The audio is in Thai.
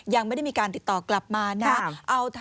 ยังไม่ได้มีการติดต่อกลับมานะ